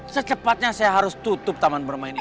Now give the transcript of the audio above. secepatnya saya harus tutup taman bermain ini